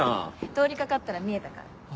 通り掛かったら見えたから。